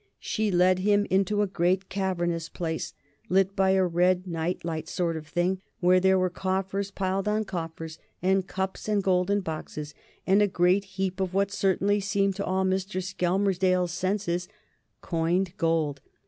She led him into a great cavernous place, lit by a red nightlight sort of thing, where there were coffers piled on coffers, and cups and golden boxes, and a great heap of what certainly seemed to all Mr. Skelmersdale's senses coined gold.